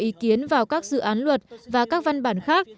cuối cùng cho ý kiến vào các dự án luật và các văn bản khác